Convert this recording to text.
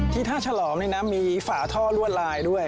ท่าฉลอมนี่นะมีฝาท่อลวดลายด้วย